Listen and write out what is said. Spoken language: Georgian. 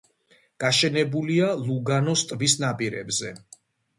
გაშენებულია ლუგანოს ტბის ნაპირებზე.